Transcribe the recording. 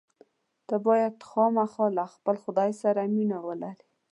ته باید خامخا له خپل خدای سره مینه ولرې.